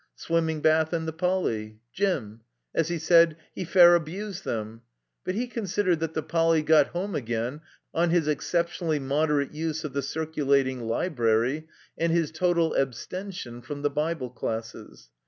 Swimming Bath and the Poly. Gym. As he said, he fair abused 'em." But he considered that the Poly. got home again" on his exceptionally moderate use of the Circtdating Library, and his total abstention from the Bible Classes.